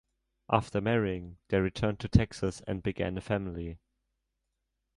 After marrying, they returned to Texas and began a family.